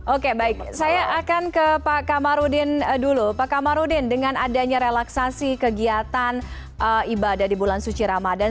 oke baik saya akan ke pak kamarudin dulu pak kamarudin dengan adanya relaksasi kegiatan ibadah di bulan suci ramadan